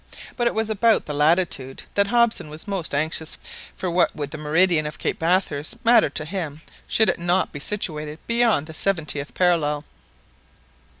But it was about the latitude that Hobson was most anxious; for what would the meridian of Cape Bathurst matter to him should it not be situated beyond the seventieth parallel?